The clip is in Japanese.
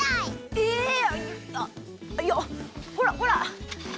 えあいやほらほら。